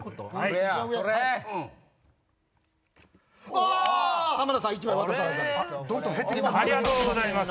ありがとうございます！